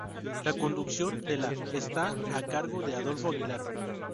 La conducción de la está a cargo de Adolfo Aguilar.